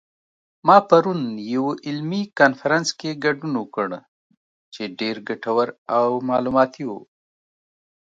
ما پرون یوه علمي کنفرانس کې ګډون وکړ چې ډېر ګټور او معلوماتي و